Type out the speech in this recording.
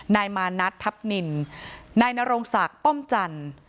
นายมานัททัพนินนายนโรงศักดิ์ป้อมจันทร์